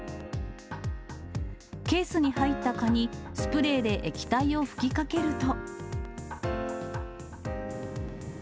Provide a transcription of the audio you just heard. ケースに入った蚊に、スプレーで液体を吹きかけると。